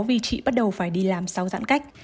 vì chị bắt đầu phải đi làm sau giãn cách